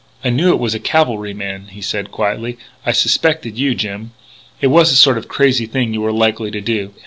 "I knew it was a cavalryman," he said quietly. "I suspected you, Jim. It was the sort of crazy thing you were likely to do....